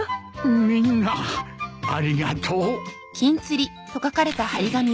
みんなありがとう。